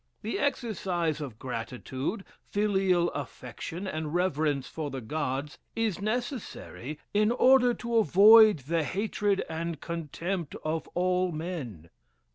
The exercise of gratitude, filial affection, and reverence for the gods, is necessary, in order to avoid the hatred and contempt of all men.